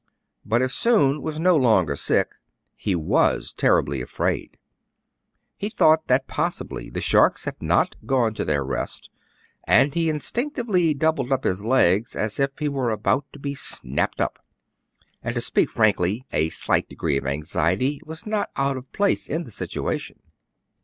But, if Soun was no longer sick, he was terribly afraid. He thought that possibly the sharks had 2l8 TRIBULATIONS OF A CHINAMAN. not gone to their rest, and he instinctively doubled up his legs as if he were about to be snapped up ; and, to speak frankly, a slight degree of anxiety was not out of place in the situation.